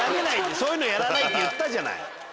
そういうのやらないって言ったじゃない。